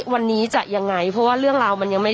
วันนี้จะยังไงเพราะว่าเรื่องราว